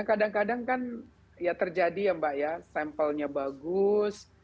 kadang kadang kan ya terjadi ya mbak ya sampelnya bagus